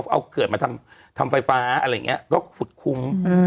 เอาเขื่อนมาทำไฟฟ้าอะไรอย่างนี้ก็ขุดคุ้ม